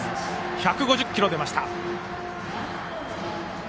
１５０キロが出ました。